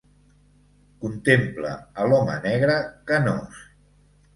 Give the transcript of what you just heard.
"Contempla a l'home negre canós!".